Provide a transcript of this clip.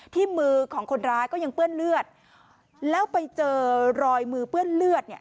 ที่มือของคนร้ายก็ยังเปื้อนเลือดแล้วไปเจอรอยมือเปื้อนเลือดเนี่ย